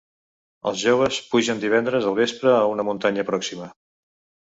Els joves pugen divendres al vespre a una muntanya pròxima.